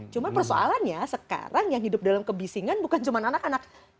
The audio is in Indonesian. cuma persoalannya sekarang yang hidup dalam kebisingan bukan cuma anak anak